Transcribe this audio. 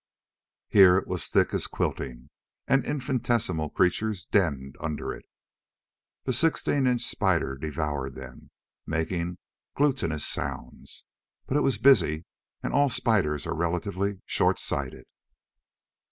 Here it was thick as quilting, and infinitesimal creatures denned under it. The sixteen inch spider devoured them, making gluttonous sounds. But it was busy, and all spiders are relatively short sighted.